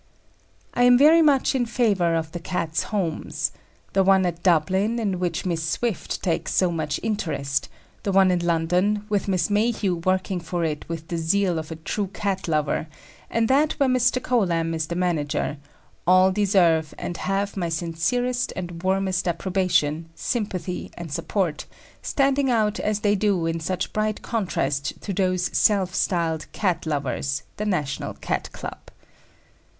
I am very much in favour of the Cats' Homes. The one at Dublin, in which Miss Swift takes so much interest; the one in London, with Miss Mayhew working for it with the zeal of a true "Cat lover"; and that where Mr. Colam is the manager, all deserve and have my sincerest and warmest approbation, sympathy, and support, standing out as they do in such bright contrast to those self styled "Cat lovers," the National Cat Club.